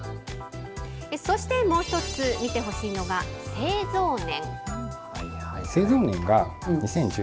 そして、もう一つ見てほしいのが、製造年。